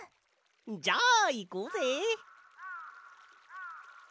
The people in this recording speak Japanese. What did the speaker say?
じゃあいこうぜ！